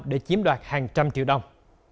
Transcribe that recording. để chiếm đoạt hàng trăm triệu đồng